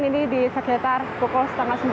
ini di sekitar pukul setengah sembilan